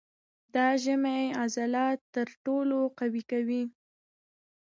د ژامې عضلات تر ټولو قوي دي.